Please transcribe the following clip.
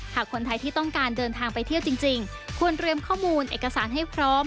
หากคนไทยที่ต้องการเดินทางไปเที่ยวจริงควรเตรียมข้อมูลเอกสารให้พร้อม